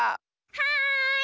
はい！